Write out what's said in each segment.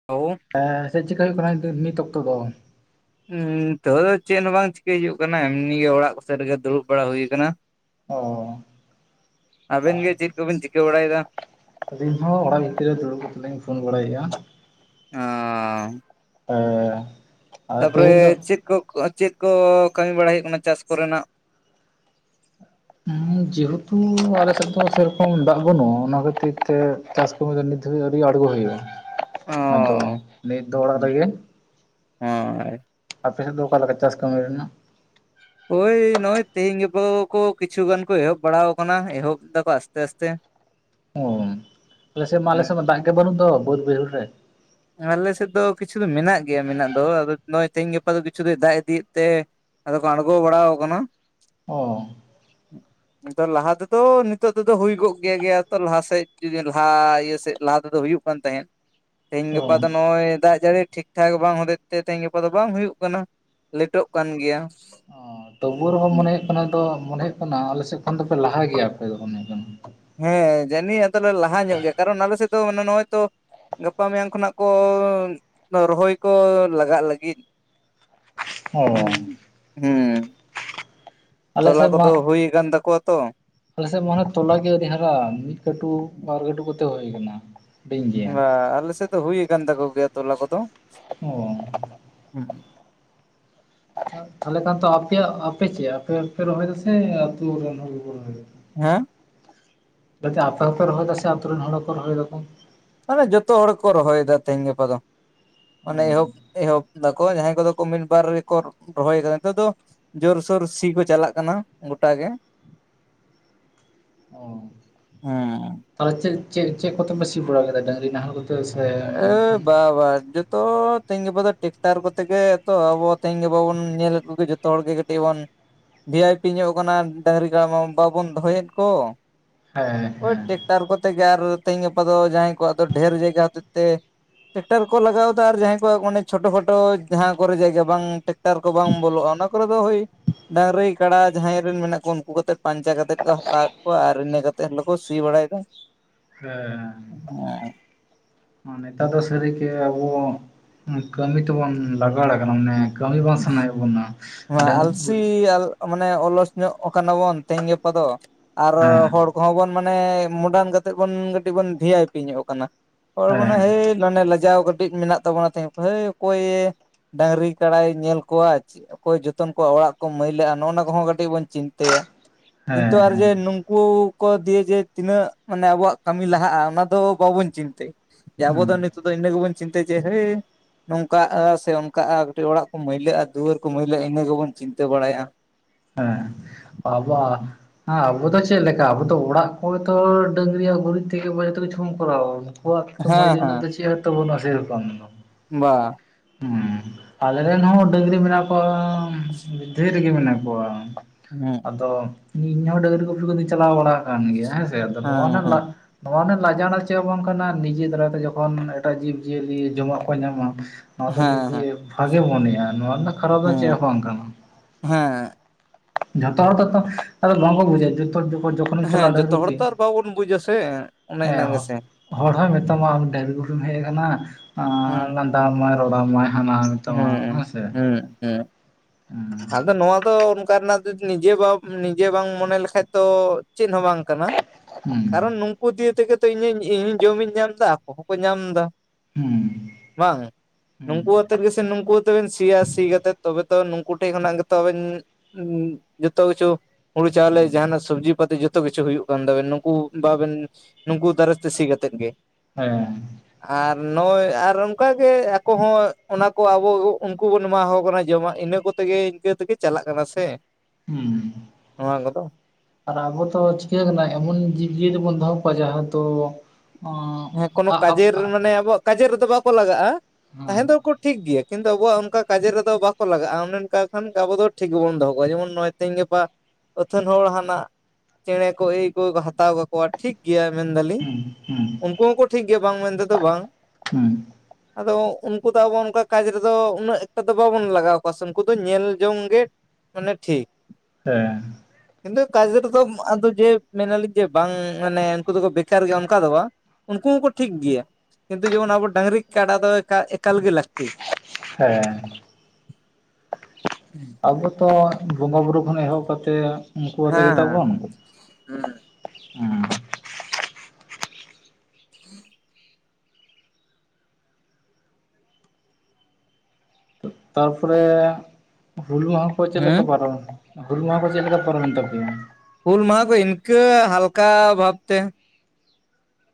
[unintelligible] ᱮᱸ, ᱪᱮᱫ ᱪᱮᱠᱟ ᱦᱩᱭᱩᱜ ᱠᱟᱱᱟ ᱱᱤᱛ ᱚᱠᱛᱚ ᱫᱚ? ᱩᱸ ᱱᱤᱛᱚᱜ ᱫᱚ ᱪᱮᱫ ᱦᱚᱸ ᱵᱟᱝ ᱪᱤᱠᱟᱹᱭ ᱦᱩᱭᱩᱜ ᱠᱟᱱᱟ, ᱮᱢᱱᱤ ᱜᱮ ᱚᱲᱟᱜ ᱠᱚᱥᱮᱜ ᱨᱮᱜᱮ ᱫᱩᱲᱩᱵ ᱵᱟᱲᱟ ᱦᱩᱭ ᱟᱠᱟᱱᱟ ᱚ ᱾ ᱟᱵᱤᱱ ᱜᱮ ᱪᱮᱫ ᱠᱚᱵᱤᱱ ᱪᱤᱠᱟᱹ ᱵᱟᱲᱟᱭᱮᱫᱟ? ᱟᱹᱞᱤᱧ ᱦᱚᱸ ᱚᱲᱟᱜ ᱵᱷᱤᱛᱤᱨ ᱨᱮ ᱫᱩᱲᱩᱵ ᱠᱟᱛᱮ ᱞᱤᱧ ᱯᱷᱚᱱ ᱵᱟᱲᱟᱭᱮᱜᱼᱟ᱾ [unintelligible] [unintelligible] ᱛᱟᱯᱨᱮ ᱫᱚ ᱪᱮᱫ ᱠᱚ ᱪᱮᱫ ᱠᱚ ᱠᱟᱹᱢᱤ ᱵᱟᱲᱟᱭ ᱦᱩᱭᱩᱜ ᱠᱟᱱᱟ ᱪᱟᱥ ᱠᱚᱨᱮᱱᱟᱜ? [unintelligible] ᱡᱮᱦᱮᱛᱩ ᱟᱞᱮᱥᱮᱫ ᱫᱚ ᱥᱮᱨᱚᱠᱚᱢ ᱫᱟᱜ ᱵᱟᱹᱱᱩᱜᱼᱟ ᱚᱱᱟ ᱠᱷᱟᱹᱛᱤᱨ ᱛᱮ ᱪᱟᱥ ᱠᱟᱹᱢᱤ ᱫᱚ ᱱᱤᱛ ᱫᱷᱟᱵᱤᱡ ᱟᱹᱣᱨᱤ ᱟᱬᱜᱚ ᱦᱩᱭᱩᱜᱼᱟ᱾ [unintelligible] ᱟᱫᱚ ᱱᱤᱛ ᱫᱚ ᱚᱲᱟᱜ ᱨᱮᱜᱮ [unintelligible] ᱟᱯᱮ ᱥᱮᱫ ᱫᱚ ᱚᱠᱟ ᱞᱮᱠᱟ ᱪᱟᱥ ᱠᱟᱹᱢᱤ ᱨᱮᱱᱟᱜ? ᱚᱭ ᱱᱚᱜᱼᱚᱭ ᱛᱮᱦᱮᱧ ᱜᱟᱯᱟ ᱠᱚ ᱠᱤᱪᱷᱩ ᱜᱟᱱ ᱠᱚ ᱮᱦᱚᱵ ᱵᱟᱲᱟᱣ ᱟᱠᱟᱱᱟ ᱮᱦᱚᱵ ᱮᱫᱟ ᱠᱚ ᱟᱥᱛᱮ ᱟᱥᱛᱮ᱾ [unintelligible] ᱚᱢ ᱟᱞᱮᱥᱮᱫ ᱢᱟ ᱦᱩᱸ ᱟᱞᱮᱥᱮᱫ ᱢᱟ ᱫᱟᱜ ᱜᱮ ᱵᱟᱹᱱᱩᱜ ᱫᱚ ᱵᱟᱹᱫᱽ ᱵᱟᱹᱭᱦᱟᱹᱲ ᱨᱮ, ᱟᱞᱮ ᱥᱮᱫ ᱫᱚ ᱠᱤᱪᱷᱩ ᱫᱚ ᱢᱮᱱᱟᱜ ᱜᱮᱭᱟ ᱢᱮᱱᱟᱜ ᱫᱚ ᱟᱫᱚ ᱱᱚᱜᱼᱚᱭ ᱛᱮᱦᱤᱧ ᱜᱟᱯᱟ ᱫᱚ ᱠᱤᱪᱷᱩ ᱫᱚ ᱫᱟᱜ ᱤᱫᱤᱭᱮᱫ ᱛᱮ ᱟᱫᱚ ᱠᱚ ᱟᱚᱲᱜᱳ ᱵᱟᱲᱟᱣ ᱠᱟᱱᱟ ᱚ [unintelligible] ᱞᱟᱦᱟ ᱛᱮᱫᱚ ᱱᱤᱛᱚᱜ ᱛᱮᱫᱚ ᱦᱩᱭ ᱠᱚᱜ ᱜᱮᱭᱟ ᱜᱮᱭᱟ ᱛᱚ ᱞᱟᱦᱟᱟᱥᱮᱫ ᱡᱩᱫᱤ ᱞᱟᱦᱟ ᱤᱭᱟᱹ ᱥᱮᱫ ᱞᱟᱦᱟ ᱛᱮᱫᱚ ᱦᱩᱭᱩᱜ ᱛᱟᱦᱮᱸᱱ ᱛᱮᱦᱤᱧ ᱚ ᱜᱟᱯᱟ ᱫᱚ ᱱᱚᱜᱼᱚᱭ ᱫᱟᱜ ᱡᱟᱹᱲᱤ ᱴᱷᱤᱠ ᱴᱷᱟᱠ ᱵᱟᱝ ᱦᱚᱛᱮᱡ ᱛᱮ ᱛᱮᱦᱮᱧ ᱜᱟᱯᱟ ᱫᱚ ᱵᱟᱝ ᱦᱩᱭᱩᱜ ᱠᱟᱱᱟ ᱞᱮᱴᱚᱜ ᱠᱟᱱ ᱜᱮᱭᱟ᱾ ᱚ ᱛᱚᱵᱵᱩᱣ ᱨᱮᱦᱚᱸ ᱢᱚᱱᱮ ᱦᱩᱭᱩᱜ ᱠᱟᱱᱟ ᱛ ᱢᱚᱱᱮ ᱦᱩᱭᱩᱜ ᱠᱟᱱᱟ ᱟᱞᱮ ᱥᱮᱫ ᱠᱷᱚᱱ ᱫᱚᱯᱮ ᱞᱟᱦᱟ ᱜᱮᱭᱟ ᱟᱯᱮ ᱚᱱᱮ ᱦᱮᱸ ᱡᱟᱹᱱᱤ ᱟᱫᱚ ᱞᱮ ᱞᱟᱦᱟ ᱧᱚᱜ ᱜᱮᱭᱟ ᱠᱟᱨᱚᱱ ᱟᱞᱮ ᱥᱮᱫ ᱫᱚᱟᱱᱮ ᱱᱚᱜᱼᱚᱭ ᱛᱚ ᱜᱟᱯᱟ ᱢᱮᱭᱟᱝ ᱠᱷᱚᱱᱟᱜ ᱠᱚ ᱨᱚᱦᱚᱭ ᱠᱚ ᱞᱟᱜᱟᱜ ᱞᱟᱹᱜᱤᱫ᱾ ᱚ ᱦᱩᱸ ᱦᱮᱸ [inaudible] ᱟᱞᱮ ᱛᱚᱞᱟ ᱥᱮᱫ ᱠᱚᱫᱚ ᱢᱟ ᱦᱩᱭ ᱟᱠᱟᱱ ᱛᱟᱠᱚᱣᱟ ᱛᱚ᱾ ᱟᱞᱮ ᱥᱮᱫ ᱢᱟᱱᱮ ᱛᱚᱞᱟ ᱜᱮ ᱟᱹᱣᱨᱤ ᱦᱟᱨᱟ ᱢᱤᱫ ᱠᱟᱹᱴᱩᱵ ᱵᱟᱨ ᱠᱟᱹᱴᱩᱵ ᱠᱚᱛᱮ ᱦᱩᱭ ᱟᱠᱟᱱᱟ᱾ ᱟ ᱟᱞᱮ ᱥᱮᱫ ᱫᱚ ᱦᱩᱭ ᱟᱠᱟᱱ ᱛᱟᱠᱚ ᱜᱮᱭᱟ ᱛᱚᱞᱟ ᱠᱚᱫᱚ᱾ [unintelligible] [unintelligible] ᱛᱟᱦᱚᱞᱮ ᱠᱷᱟᱱ ᱛᱚ ᱟᱯᱮᱭᱟᱜ ᱟᱯᱮ ᱪᱮᱫ ᱟᱯᱮᱯᱮ ᱨᱚᱦᱚᱭ ᱫᱟ ᱥᱮ ᱟᱹᱛᱩ ᱨᱮᱱ ᱦᱚᱲ ᱜᱮᱠᱚ ᱨᱚᱦᱚᱭ ᱫᱟ? ᱦᱮᱸ ᱟᱯᱮ ᱦᱚᱸᱯᱮ ᱨᱚᱦᱚᱭᱮᱫᱟ ᱥᱮ ᱟᱛᱩ ᱨᱮᱱ ᱦᱚᱲ ᱦᱚᱸᱠᱚ ᱨᱚᱦᱚᱭ ᱫᱟᱠᱚ? ᱢᱟᱱᱮ ᱡᱚᱛᱚ ᱦᱚᱲ ᱠᱚ ᱨᱚᱦᱚᱭᱮᱫᱟ ᱛᱮᱦᱤᱧ ᱜᱟᱯᱟ ᱫᱚ ᱚ ᱚᱱᱮ ᱮᱦᱳᱠ ᱮᱦᱳᱠ ᱫᱟᱠᱚ ᱡᱟᱦᱟᱸᱭ ᱠᱚᱫᱚ ᱠᱚ ᱢᱤᱫ ᱵᱟᱨ ᱨᱮᱠᱚ ᱨᱚᱦᱚᱭ ᱟᱠᱟᱫᱟ ᱱᱤᱛᱚᱜ ᱫᱚ ᱡᱳᱨᱥᱳᱨ ᱥᱤ ᱠᱚ ᱪᱟᱞᱟᱜ ᱠᱟᱱᱟ ᱜᱚᱴᱟ ᱜᱮ ᱚ ᱛᱟᱦᱚᱞᱮ ᱪᱮᱫ ᱪᱮᱫ ᱪᱮᱫ ᱠᱚᱛᱮ ᱯᱮ ᱥᱤ ᱵᱟᱲᱟ ᱠᱮᱫᱟ ᱰᱟᱝᱨᱤ ᱱᱟᱦᱮᱞ ᱠᱚᱛᱮ? ᱥᱮ ᱮ ᱵᱟ ᱵᱟ ᱡ [inaudible] ᱛᱚ ᱛᱮᱦᱤᱧ ᱜᱟᱯᱟ ᱫᱚ ᱴᱮᱠᱴᱟᱨ ᱠᱚᱛᱮ ᱜᱮ ᱛᱚ ᱟᱵᱚ ᱛᱮᱦᱤᱧ ᱜᱟᱯᱟ ᱵᱚᱱ ᱧᱮᱞᱮᱫ ᱠᱚᱜᱮ ᱡᱚᱛᱚ ᱦᱚᱲᱜᱮ ᱠᱟᱹᱴᱤᱡ ᱵᱚᱱ ᱵᱷᱤ ᱟᱭ ᱯᱤ ᱧᱚᱜ ᱟᱠᱟᱱᱟ ᱰᱟᱹᱝᱨᱤ ᱠᱟᱰᱟ ᱢᱟ ᱵᱟᱵᱚᱱ ᱫᱚᱦᱚᱭᱮᱫ ᱠᱚ᱾ ᱦᱮᱸ ᱳᱭ ᱦᱮᱸ ᱴᱮᱠᱴᱟᱨ ᱠᱚᱛᱮ ᱜᱮ ᱟᱨ ᱛᱮᱦᱤᱧ ᱜᱟᱯᱟ ᱫᱚ ᱡᱟᱦᱟᱸᱭ ᱠᱚᱣᱟᱜ ᱫᱚ ᱰᱷᱹᱮᱨ ᱡᱟᱭᱜᱟ ᱦᱚᱛᱮᱡ ᱛᱮ ᱴᱮᱠᱴᱟᱨ ᱠᱚ ᱞᱟᱜᱟᱣᱮᱫᱟ ᱟᱨ ᱡᱟᱦᱟᱸᱭ ᱠᱚᱣᱟᱜ ᱢᱟᱱᱮ ᱪᱳᱴᱳ ᱠᱷᱳᱴᱳ ᱡᱟᱦᱟᱸ ᱠᱚᱨᱮ ᱡᱟᱭᱜᱟ ᱵᱟᱝ ᱴᱮᱠᱴᱟᱨ ᱠᱚ ᱵᱟᱝ ᱵᱚᱞᱚᱜᱼᱟ ᱚᱱᱟ ᱠᱚᱨᱮ ᱫᱚ ᱦᱳᱭ ᱰᱟᱝᱨᱤ ᱠᱟᱰᱟ ᱡᱟᱦᱟᱸᱭ ᱨᱮᱱ ᱢᱮᱱᱟᱜ ᱠᱚ ᱩᱱᱠᱩ ᱠᱟᱛᱮ ᱯᱟᱧᱪᱟ ᱠᱟᱛᱮᱮᱫ ᱠᱚ ᱦᱟᱛᱟᱣᱮᱫ ᱠᱚᱣᱟ ᱟᱨ ᱤᱱᱟᱹ ᱠᱟ ᱠᱟᱛᱮᱮᱫ ᱦᱚᱞᱮ ᱠᱚ ᱥᱤ ᱵᱟᱲᱟᱭᱮᱫᱟ ᱾ ᱦᱮᱸ [unintelligible] ᱱᱮᱛᱟᱨ ᱫᱚ ᱥᱟᱹᱨᱤᱜᱮ ᱟᱵᱚ ᱠᱟᱹᱢᱤ ᱛᱮᱵᱚᱱ ᱞᱟᱜᱟᱣ ᱠᱟᱱᱟ ᱢᱟᱱᱮ ᱠᱟᱹᱢᱤ ᱵᱟᱝ ᱥᱟᱱᱟᱭᱮᱫ ᱵᱚᱱᱟ, ᱱᱚᱣᱟ ᱟᱞᱥᱤ ᱢᱟᱱᱮ ᱚᱞᱚᱥ ᱧᱚᱜ ᱠᱟᱱᱟ ᱵᱚᱱ ᱛᱮᱦᱮᱧ ᱜᱟᱯᱟ ᱫᱚ ᱟᱨ ᱦᱮᱸ ᱦᱚᱲ ᱠᱚᱦ ᱵᱚᱱ ᱢᱟᱱᱮ ᱢᱚᱰᱟᱨᱱ ᱠᱟᱛᱮᱮᱫ ᱵᱚᱱ ᱠᱟᱹᱴᱤᱡ ᱵᱚᱱ ᱵᱷᱮ ᱟᱭᱯᱤ ᱧᱚᱜ ᱠᱟᱱᱟ᱾ ᱦᱚᱭ ᱢᱟᱱᱮ ᱦᱮᱸ ᱦᱟᱹᱭ ᱞᱟᱱᱮ ᱞᱟᱡᱟᱣ ᱠᱟᱛ- ᱢᱤᱴᱤᱡ ᱢᱮᱱᱟᱜ ᱛᱟᱵᱚᱱᱟ ᱛᱮᱦᱮᱸᱧ ᱚᱠᱚᱭ ᱦᱟᱹᱭ ᱚᱠᱚᱭᱮ ᱰᱟᱺᱜᱽᱨᱤ ᱠᱟᱲᱟᱭ ᱧᱮᱞ ᱠᱚᱣᱟ ᱪᱮᱜ ᱚᱠᱚᱭ ᱡᱚᱛᱚᱱ ᱠᱚᱣᱟ ᱚᱲᱟᱜ ᱠᱚ ᱢᱟᱹᱭᱞᱟᱹᱜᱼᱟ, ᱱᱚᱜᱼᱱᱚᱱᱟ ᱠᱚᱦᱚᱸ ᱠᱟᱹᱴᱤᱡ ᱵᱚᱱ ᱪᱤᱸᱛᱟᱹᱭᱟ? ᱠᱤᱸᱛᱩ ᱦᱮᱸ ᱟᱨ ᱡᱮ ᱦᱮᱸ ᱱᱩᱝ- ᱠᱩ ᱠᱚ ᱫᱤᱭᱮ ᱡᱮ ᱛᱤᱱᱟᱹᱜ ᱢᱟᱱᱮ ᱟᱵᱚᱣᱟᱜ ᱠᱟᱹᱢᱤ ᱞᱟᱦᱟᱜᱼᱟ, ᱚᱱᱟ ᱫᱚ ᱵᱟᱵᱚᱱ ᱪᱤᱸᱛᱟᱭ? ᱡᱮ ᱟᱵᱚ ᱦᱮᱸ ᱫᱚ ᱱᱤᱛᱚᱜ ᱫᱚ ᱤᱱᱟᱹ ᱜᱮᱵᱚᱱ ᱪᱤᱸᱛᱟᱹᱭᱟ ᱡᱮ ᱦᱟᱹᱭ, ᱱᱚᱸᱠᱟ ᱟᱲᱟᱜ ᱥᱮ ᱚᱱᱠᱟᱼᱟ ᱠᱟᱹᱴᱤᱡ ᱚᱲᱟᱜ ᱠᱚ ᱢᱟᱹᱭᱞᱟᱹᱜᱼᱟ, ᱫᱩᱣᱟᱹᱨ ᱠᱚ ᱢᱟᱹᱭᱞᱟᱹᱜᱼᱟ ᱤᱱᱟᱹ ᱜᱮᱵᱚᱱ ᱪᱤᱱᱛᱟᱹ ᱵᱟᱲᱟᱭᱟ᱾ ᱦᱮᱸ ᱟᱵᱚᱣᱟ ᱦᱟᱸ ᱟᱵᱚ ᱫᱚ ᱪᱮᱫ ᱞᱮᱠᱟ ᱟᱵᱚ ᱫᱚ ᱚᱲᱟᱜ ᱠᱚᱨᱮ ᱛᱷᱚᱨ ᱰᱟᱺᱜᱽᱨᱤᱭᱟᱜ ᱜᱩᱨᱤᱡ ᱛᱮᱜᱮ ᱵᱚ ᱡᱚ ᱛᱷᱳ ᱠᱤᱪᱷᱩ ᱵᱚᱱ ᱠᱚᱨᱟᱣᱟ᱾ ᱟᱵᱚᱣᱟᱜ ᱛᱮᱫᱚ ᱢᱚᱡᱽ ᱦᱮᱸ ᱨᱮᱱᱟᱜ ᱦᱮᱸ ᱫᱚ ᱪᱮᱜ ᱦᱚᱸᱛᱚ ᱵᱟᱹᱱᱩᱜᱼᱟ, ᱥᱟᱹᱭ ᱨᱚᱠᱚᱢ ᱫᱚ᱾ ᱵᱟ᱾ ᱦᱩᱸ ᱟᱞᱮ ᱨᱮᱱ ᱦᱚᱸ ᱰᱟᱺᱜᱽᱨᱤ ᱢᱮᱱᱟᱜ ᱠᱚᱣᱟᱻᱢ, ᱰᱷᱮᱨ ᱜᱮ ᱢᱮᱱᱟᱜ ᱵᱚᱣᱟᱢ, ᱦᱩᱸᱜ ᱟᱫᱚ ᱤᱧᱦᱚᱸ ᱰᱟᱺᱜᱽᱨᱤ ᱜᱩᱯᱤ ᱠᱚ ᱫᱩᱧ ᱪᱟᱞᱟᱣ ᱵᱟᱲᱟ ᱦᱟᱠᱟᱱ ᱜᱮᱭᱟ ᱦᱮᱸ ᱥᱮ ᱟᱫᱚ ᱱᱚᱣᱟ ᱦᱮᱸ ᱱᱟᱜ ᱦᱮᱸ ᱞᱟᱝ- ᱱᱚᱣᱟ ᱨᱮ ᱱᱟᱝ ᱞᱟᱡᱟᱣ ᱮᱱᱟ ᱪᱮᱫ ᱦᱚᱸ ᱵᱟᱝ ᱠᱟᱱᱟ ᱱᱤᱡᱮ ᱫᱟᱨᱟᱭ ᱛᱮ ᱡᱚᱠᱷᱚᱱ ᱮᱴᱟᱜ ᱡᱤᱵᱽ ᱡᱤᱭᱟᱹᱞᱤ ᱡᱚᱢᱟᱜ ᱠᱚ ᱧᱟᱢᱟ, ᱱᱚᱣᱟ ᱫᱚ ᱱᱤᱡᱮ ᱦᱮᱸ ᱵᱷᱟᱜᱮ ᱢᱚᱱᱮᱜᱼᱟ, ᱱᱚᱣᱟ ᱨᱮᱱᱟᱜ ᱠᱷᱟᱨᱟᱯ ᱫᱚ ᱪᱮᱫ ᱦᱚᱸ ᱵᱟᱝ ᱠᱟᱱᱟ᱾ ᱦᱮᱸᱜ᱾ ᱡᱷᱚᱛᱚ ᱦᱚᱲᱫᱚ ᱛᱚ ᱟᱫᱚ ᱱᱚᱣᱟ ᱵᱚ ᱵᱩᱡᱟ ᱡᱮ ᱛᱚᱜᱽᱫᱤ ᱦᱮᱸ ᱡᱚᱛᱚ ᱦᱚᱲ ᱛᱚᱨ ᱵᱟᱵᱚᱱ ᱵᱩᱡᱟ ᱥᱮ ᱚᱱᱮ ᱦᱮᱸ ᱚᱱᱟ ᱜᱮᱥᱮ᱾ ᱦᱚᱲ ᱦᱚᱸᱭ ᱢᱮᱛᱟᱢᱟ ᱟᱢ ᱰᱟᱺᱜᱽᱨᱤ ᱜᱩᱯᱤᱢ ᱦᱮᱜ ᱟᱠᱟᱱᱟ, ᱦᱮᱸ ᱟᱸᱻ ᱞᱟᱸᱫᱟᱢᱟᱭ ᱨᱚᱲᱟᱢᱟᱭ ᱦᱟᱱᱟ ᱢᱮᱛᱟᱢᱟ ᱦᱚᱸᱭ ᱦᱮᱸ ᱥᱮ? ᱦᱮᱸ ᱦᱮᱸ ᱟᱫᱚ ᱱᱚᱣᱟ ᱫᱚ ᱚᱱᱠᱟ ᱨᱮᱱᱟᱜ ᱫᱚ ᱱᱤᱡᱟᱹ ᱵᱟᱢ ᱱᱤᱡᱮ ᱵᱟᱝ ᱢᱚᱱᱮ ᱞᱮᱠᱟᱡ ᱛᱚ ᱪᱮᱫ ᱦᱚᱸ ᱵᱟᱝ ᱠᱟᱱᱟ, ᱦᱩᱸ ᱠᱟᱨᱚᱱ ᱱᱩᱝᱠᱩ ᱫᱤᱭᱮ ᱛᱮᱜᱮ ᱛᱚ ᱤᱧᱤᱧ ᱤᱧ ᱡᱚᱢ ᱤᱧ ᱧᱟᱢ ᱮᱫᱟ, ᱟᱠᱚ ᱦᱚᱸᱠᱚ ᱧᱟᱢ ᱮᱫᱟ᱾ ᱦᱩᱸ᱾ ᱵᱟᱝᱼᱟ, ᱦᱩᱸ ᱱᱩᱝᱠᱩ ᱟᱛᱮᱫ ᱜᱮᱥᱮ ᱱᱩᱸᱠᱩ ᱟᱛᱮ ᱵᱤᱱ ᱥᱤᱭᱟ ᱥᱤ ᱠᱟᱛᱮᱫ ᱛᱚᱵᱮ ᱛᱚ ᱱᱩᱝ ᱠᱩ ᱴᱷᱮᱡ ᱠᱷᱚᱱᱟᱝ ᱜᱮᱛᱚ ᱟᱹᱵᱤᱱ ᱩᱸ ᱡᱚᱛᱚ ᱠᱤᱪᱩ ᱦᱩᱲᱩ ᱪᱟᱣᱞᱮ ᱦᱩᱸ ᱡᱟᱦᱟᱱᱟ ᱥᱚᱵᱽᱡᱤ ᱯᱟᱹᱛᱤ ᱡᱚᱛ- ᱛᱚ ᱠᱤᱪᱷᱩ ᱦᱩᱭᱩᱜ ᱠᱟᱱ ᱛᱟᱵᱮᱱ ᱱᱩᱠᱩ ᱵᱟᱵᱮᱱ ᱱᱩᱠᱩ ᱫᱟᱨᱮᱥ ᱛᱮ ᱥᱤ ᱠᱟᱛᱮᱫ ᱜᱮ᱾ ᱦᱮᱸ᱾ [inaudible] ᱟᱨ ᱱᱚᱜ-ᱚᱭ ᱟᱨ ᱚᱱᱠᱟ ᱜᱮ ᱟᱠᱚ ᱦᱚᱸ ᱚᱱᱟ ᱠᱚ ᱟᱵᱚ ᱜᱮᱜᱚ ᱩᱱᱠᱩ ᱵᱚᱱ ᱮᱢᱟ ᱦᱟᱠᱚ ᱠᱟᱱᱟ ᱡᱚᱢᱟᱜ, ᱤᱱᱟᱹ ᱠᱚᱛ- ᱛᱮᱜᱮ ᱤᱱᱠᱟᱹ ᱛᱮᱜᱮ ᱪᱟᱞᱟᱜ ᱠᱟᱱᱟ ᱥᱮ, ᱦᱩᱸ ᱱᱚᱣᱟ ᱠᱚᱫᱚ᱾ ᱟᱨ ᱟᱵᱚ ᱛᱚ ᱪᱤᱠᱟᱹ ᱦᱟᱠᱟᱱᱟ ᱮᱢᱚᱱ ᱡᱤᱵᱽ ᱡᱤᱭᱟᱹᱞᱤ ᱵᱚᱱ ᱫᱚᱦᱚ ᱠᱚᱣᱟ ᱡᱟ ᱦᱟᱛᱚ ᱦᱮᱸ ᱠᱳᱱᱳ ᱠᱟᱡᱮᱨ ᱢᱟᱱᱮ ᱟᱵᱚᱣᱟᱜ ᱠᱟᱡᱮᱨ ᱨᱮᱫᱚ ᱵᱟᱠᱚ ᱞᱟᱜᱟᱜ-ᱟ ᱛᱟᱦᱮᱸ ᱫᱚᱠᱚ ᱴᱷᱤᱠ ᱜᱮᱭᱟ, ᱠᱤᱱᱛᱩ ᱟᱵᱚᱣᱟᱜ ᱚᱱᱠᱟ ᱠᱟᱡᱮᱨ ᱨᱮᱫᱚ ᱵᱟ ᱠᱚ ᱞᱟᱜᱟᱜ ᱚᱱᱮ ᱚᱱᱠᱟ ᱠᱷᱟᱱ ᱟᱵᱚ ᱫᱚ ᱴᱷᱤᱠ ᱵᱚᱱ ᱫᱚᱦᱚ ᱠᱚᱣᱟ ᱡᱮᱢᱚᱱ ᱱᱚᱭᱼᱚᱭ ᱛᱮᱦᱮᱧ ᱜᱟᱯᱟ ᱟᱹᱛᱷᱟᱹᱱ ᱦᱚᱲ ᱦᱟᱱᱟᱜ ᱪᱮᱬᱮ ᱠᱚ ᱟᱹᱭᱠᱩ ᱠᱚᱠᱚ ᱦᱟᱛᱟᱣ ᱠᱟᱠᱚᱣᱟ ᱴᱷᱤᱠ ᱜᱮᱭᱟ ᱢᱮᱱ ᱮᱫᱟ ᱞᱤᱧ ᱩᱱᱠᱩ ᱦᱚᱸᱠᱚ ᱴᱷᱤᱠ ᱜᱮᱭᱟ ᱵᱟᱝ ᱢᱮᱱᱛᱮ ᱫᱚ ᱵᱟᱝ, ᱟᱫᱚ ᱩᱱᱠᱩ ᱫᱚ ᱟᱵᱚ ᱚᱱᱠᱟ ᱠᱟᱡᱽ ᱨᱮᱫᱚ ᱩᱱᱟᱹᱜ ᱮᱠᱴᱟ ᱫᱚ ᱵᱟᱵᱚᱱ ᱞᱟᱜᱟᱣ ᱠᱚᱣᱟ ᱥᱮ ᱩᱱᱠᱩ ᱫᱚ ᱧᱮᱞ ᱡᱚᱝ ᱜᱮ ᱢᱟᱱᱮ ᱴᱷᱤᱠ᱾ ᱦᱮᱸ [inaudible] ᱫᱮ ᱠᱟᱡᱽ ᱨᱮᱫᱚᱢ ᱟᱫᱚ ᱡᱮ ᱢᱮᱱᱟᱞᱤᱧ ᱡᱮ ᱵᱟᱝ ᱢᱟᱱᱮ ᱩᱱᱠᱩ ᱫᱚᱠᱚ ᱵᱮᱠᱟᱨ ᱜᱮᱭᱟ ᱚᱱᱠᱟ ᱫᱚ ᱵᱟᱝ! ᱩᱱᱠᱩ ᱦᱚᱸᱠᱚ ᱴᱷᱤᱠ ᱜᱮᱭᱟ ᱠᱤᱸᱛᱩ ᱡᱮᱢᱚᱱ ᱟᱵᱚ ᱰᱟᱺᱜᱽᱨᱤ ᱠᱟᱰᱟ ᱫᱚ ᱮᱠᱟ ᱮᱠᱟᱞ ᱜᱮ ᱞᱟᱹᱠᱛᱤ᱾ ᱦᱮᱸ ᱦᱩᱸ ᱟᱵᱚ ᱛᱚ ᱵᱚᱸᱜᱟ ᱵᱩᱨᱩ ᱠᱷᱚᱱ ᱮᱦᱚᱵ ᱠᱟᱛᱮ ᱩᱱᱠᱩ ᱣᱟᱛᱮ ᱦᱮᱸ ᱜᱮ ᱦᱮᱸ ᱛᱟᱵᱚᱱ᱾ ᱦᱩᱸ ᱩᱸ [inaudible] ᱛᱟᱨᱯᱚᱨᱮ ᱦᱩᱞ ᱢᱟᱦᱟ ᱠᱚ ᱪᱮᱫ ᱦᱮᱸ ᱞᱮᱠᱟ ᱵᱟᱨᱚᱢ ᱮᱱᱟ? ᱦᱩᱞ ᱢᱟᱦᱟ ᱠᱚ ᱪᱮᱫ ᱞᱮᱠᱟ ᱯᱚᱨᱚᱢᱮᱱ ᱛᱟᱯᱮᱭᱟ? ᱦᱩᱞ ᱢᱟᱦᱟ ᱠᱚ ᱤᱱᱠᱟᱹ ᱦᱟᱞᱠᱟ ᱵᱷᱟᱵ ᱛᱮ᱾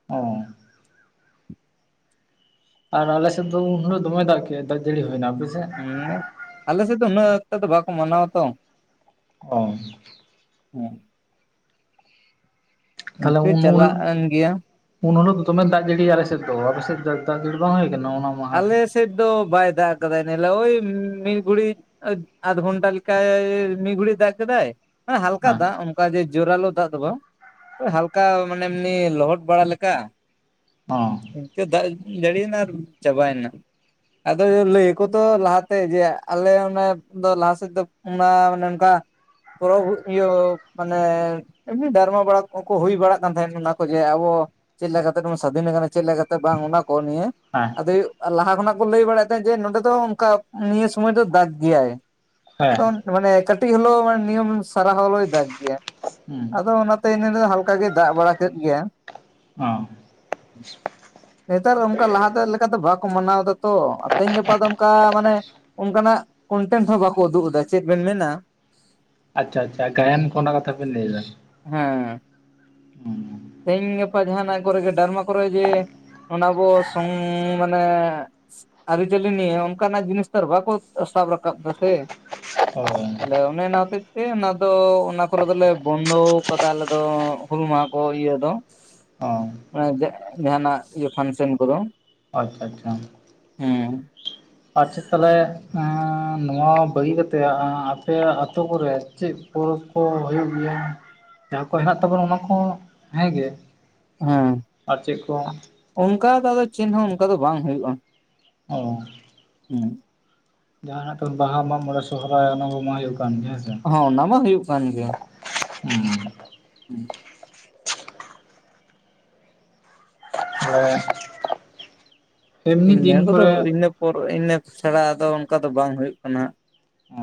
ᱚ ᱟᱨ ᱟᱞᱮᱥᱮᱫ ᱫᱚ ᱩᱱ ᱦᱩᱞᱳᱜ ᱫᱚᱢᱮ ᱫᱟᱜ ᱠᱮᱜ-ᱟᱭ ᱫᱟᱜ ᱡᱟᱹᱲᱤ ᱦᱩᱭᱱᱟ, ᱟᱯᱮᱥᱮ? ᱦᱩᱸ ᱟᱞᱮ ᱥᱮᱫ ᱫᱚ ᱩᱱᱟᱹᱜ ᱚᱠᱛᱚ ᱫᱚ ᱵᱟᱠᱚ ᱢᱟᱱᱟᱣᱟ ᱛᱚ᱾ ᱚ ᱦᱮᱸ [inaudible] ᱛᱦᱟᱞᱮ ᱤᱱᱠᱟᱹ ᱩᱱ ᱩᱞ ᱪᱟᱞᱟᱜ ᱮᱱ ᱜᱮᱭᱟ ᱩᱱ ᱦᱩᱞᱳᱜ ᱫᱚ ᱫᱚᱢᱮ ᱫᱟᱜ ᱡᱟᱹᱲᱤᱭᱟ ᱟᱞᱮᱥᱮᱫ ᱫᱚ ᱟᱯᱮᱥᱮᱫ ᱫᱚ ᱫᱟᱜ ᱡᱟᱹᱲᱤ ᱵᱟᱝ ᱦᱩᱭ ᱠᱟᱱᱟ? ᱚᱱᱟ ᱢᱟᱦᱟ ᱨᱮ? ᱟᱞᱮ ᱥᱮᱫ ᱫᱚ ᱵᱟᱭ ᱫᱟᱜ ᱠᱟᱫᱟᱭ ᱱᱮᱞᱟ ᱳᱭ ᱢᱤᱫ ᱜᱩᱲᱤ ᱟᱹᱛ ᱟᱫᱷ ᱜᱷᱚᱱᱴᱟ ᱞᱮᱠᱟᱭ ᱢᱤᱫ ᱜᱩᱲᱤᱡ ᱫᱟᱜ ᱠᱮᱫᱟᱭ ᱢᱟᱱᱮ ᱦᱟᱞᱠᱟ ᱦᱮᱸ ᱫᱟᱜ ᱚᱱᱠᱟ ᱡᱮ ᱡᱳᱨᱟᱞᱳ ᱫᱟᱜ ᱫᱚ ᱵᱟᱝ ᱳᱭ ᱦᱟᱞᱠᱟ ᱢᱟᱱᱮ ᱮᱢᱱᱤ ᱞᱚᱦᱚᱫ ᱵᱟᱲᱟ ᱞᱮᱠᱟ᱾ ᱚᱸ ᱚᱱᱛᱮ ᱫᱟᱜ ᱡᱟᱹᱲᱤᱭᱮᱱᱟ ᱟᱨ ᱪᱟᱵᱟᱭᱱᱟ᱾ ᱟᱫᱚ ᱞᱟᱹᱭ ᱟᱠᱚ ᱛᱚ ᱞᱟᱦᱟᱛᱮ ᱡᱮ ᱟᱞᱮ ᱚᱱᱮ ᱫᱚ ᱞᱟᱦᱟᱥᱮᱫ ᱫᱚ ᱚᱱᱟ ᱢᱟᱱᱮ ᱚᱱᱠᱟ ᱯᱩᱨᱚᱵ ᱤᱭᱟᱹ ᱢᱟᱱᱮ ᱮᱢᱱᱤ ᱰᱟᱨᱢᱟ ᱵᱟᱲᱟ ᱦᱩᱭ ᱵᱟᱲᱟᱜ ᱠᱟᱱ ᱛᱟᱦᱮᱸᱱ ᱚᱱᱟ ᱠᱚ ᱡᱮ ᱟᱵᱚ ᱪᱮᱫ ᱞᱮᱠᱟ ᱠᱟᱛᱮ ᱵᱚᱱ ᱥᱟᱹᱫᱷᱤᱱ ᱟᱠᱟᱱᱟ ᱪᱮᱫ ᱞᱮᱠᱟᱛᱮ ᱵᱟᱝ ᱚᱱᱟ ᱠᱚ ᱱᱤᱭᱟᱹ? ᱦᱮᱸ ᱾ ᱟᱫᱚ ᱞᱟᱦᱟ ᱠᱷᱚᱱᱟᱜ ᱠᱚ ᱞᱟᱹᱭ ᱵᱟᱲᱟᱭᱮᱫ ᱛᱟᱦᱮᱸᱫ ᱡᱮ ᱱᱚᱰᱮ ᱫᱚ ᱚᱱᱠᱟ ᱱᱤᱭᱟᱹ ᱥᱩᱢᱚᱭ ᱫᱚ ᱫᱟᱜ ᱜᱮᱭᱟᱭ ᱾ ᱟᱫᱚ ᱢᱟᱱᱮ ᱠᱟᱹᱴᱤ ᱦᱚᱞᱳ ᱢᱟᱱᱮ ᱱᱤᱭᱚᱢ ᱥᱟᱨᱟ ᱦᱚᱞᱳᱣ ᱫᱟᱜ ᱜᱮᱭᱟ ᱦᱮᱸ ᱾ ᱟᱫᱚ ᱚᱱᱟᱛᱮ ᱦᱟᱞᱠᱟ ᱜᱮᱭ ᱫᱟᱜ ᱵᱟᱲᱟ ᱠᱮᱫ ᱜᱮᱭᱟ ᱾ ᱦᱩᱸ ᱚ ᱱᱮᱛᱟᱨ ᱚᱱᱠᱟ ᱞᱟᱦᱟᱛᱮ ᱞᱮᱠᱟᱛᱮ ᱵᱟᱠᱚ ᱢᱟᱱᱟᱣᱫᱟ ᱾ ᱛᱚ ᱛᱮᱦᱮᱧ ᱜᱟᱯᱟ ᱫᱚ ᱚᱱᱠᱟ ᱢᱟᱱᱮ ᱚᱱᱠᱟᱱᱟᱜ ᱠᱚᱱᱴᱮᱱᱴ ᱦᱚᱸ ᱵᱟᱠᱚ ᱩᱫᱩᱜ ᱮᱫᱟ ᱪᱮᱫ ᱵᱮᱱ ᱢᱮᱱᱟ? ᱟᱪᱪᱷᱟ ᱟᱪᱪᱷᱟ ᱾ ᱜᱟᱭᱟᱱ ᱠᱚ ᱠᱟᱛᱷᱟ ᱵᱮᱱ ᱞᱟᱹᱭ ᱮᱫᱟ ᱾ ᱦᱮᱸ ᱾ ᱛᱮᱦᱤᱧ ᱜᱟᱯᱟ ᱡᱟᱦᱟᱸᱱᱟᱜ ᱠᱚᱨᱮ ᱜᱮ ᱰᱟᱨᱢᱟ ᱠᱚᱨᱮ ᱡᱮ, ᱚᱱᱟ ᱟᱵᱚ ᱥᱚᱝ ᱢᱟᱱᱮ ᱟᱹᱨᱤᱪᱟᱹᱞᱤ ᱱᱤᱭᱮ ᱚᱱᱠᱟᱱᱟᱜ ᱡᱤᱱᱤᱥ ᱛᱚ ᱵᱟᱠᱚ ᱥᱟᱵ ᱨᱟᱠᱟᱵ ᱫᱟ ᱥᱮ ᱾ [unintelligible] ᱛᱟᱦᱚᱞᱮ ᱚᱱᱮ ᱚᱱᱟ ᱦᱚᱛᱮᱫ ᱛᱮ ᱚᱱᱟ ᱫᱚ ᱚᱱᱟ ᱠᱚᱨᱮ ᱫᱚᱞᱮ ᱵᱚᱱᱫᱚ ᱟᱠᱟᱫᱟ ᱟᱞᱮ ᱫᱚ ᱦᱩᱞ ᱢᱟᱦᱟ ᱠᱚ ᱤᱭᱟᱹ ᱫᱚ ᱚ ᱚ ᱡᱟᱦᱟᱸᱱᱟᱜ ᱤᱭᱟᱹ ᱯᱷᱟᱱᱥᱮᱱ ᱠᱚᱫᱚ ᱾ ᱟᱪᱪᱷᱟ ᱟᱪᱪᱷᱟ ᱾ ᱦᱩᱸ ᱾ ᱟᱪᱪᱷᱟ, ᱛᱟᱦᱚᱞᱮ ᱱᱚᱣᱟ ᱵᱟᱹᱜᱤ ᱠᱟᱛᱮ ᱟᱯᱮ ᱟᱛᱩ ᱠᱚᱨᱮ ᱪᱮᱫ? ᱯᱚᱨᱚᱵ ᱠᱚ ᱦᱩᱭᱩᱜ ᱜᱮᱭᱟ ᱾ ᱡᱟᱦᱟᱸ ᱠᱚ ᱦᱮᱱᱟᱜ ᱛᱟᱵᱚᱱᱟ ᱚᱱᱟ ᱠᱚ ᱦᱮᱸᱜᱮ ᱾ ᱦᱮᱸ, ᱚᱱᱠᱟ ᱫᱚ ᱟᱫᱚ ᱪᱮᱫ ᱦᱚᱸ ᱚᱱᱠᱟ ᱫᱚ ᱵᱟᱝ ᱦᱩᱭᱩᱜᱼᱟ ᱾ ᱚ ᱾ ᱦᱩᱸ ᱾ ᱡᱟᱦᱟᱸᱱᱟᱜ ᱠᱚ ᱵᱟᱦᱟ ᱢᱟᱜ ᱢᱚᱬᱮ ᱥᱚᱦᱚᱨᱟᱭ ᱚᱱᱟ ᱢᱟ ᱦᱩᱭᱩᱜ ᱠᱟᱱ ᱜᱮ ᱾ ᱦᱮᱸᱥᱮ? ᱦᱚᱸ ᱚᱱᱟ ᱢᱟ ᱦᱩᱭᱩᱜ ᱠᱟᱱ ᱜᱮ ᱾ ᱦᱩᱸ ᱾ ᱦᱩᱸ ᱾ ᱦᱮᱸ, ᱮᱢᱱᱤ ᱫᱤᱱ ᱠᱚᱨᱮ ᱚᱨ ᱤᱱᱟᱹ ᱠᱚ ᱪᱷᱟᱲᱟ ᱫᱚ ᱚᱱᱠᱟ ᱫᱚ ᱵᱟᱝ ᱦᱩᱭᱩᱜ ᱠᱟᱱᱟ ᱾ ᱚ